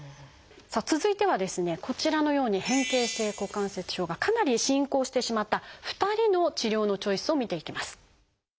さあ続いてはですねこちらのように変形性股関節症がかなり進行してしまった２人の治療のチョイスを見ていきます。